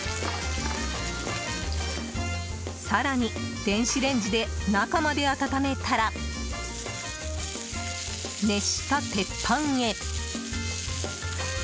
更に電子レンジで中まで温めたら熱した鉄板へ。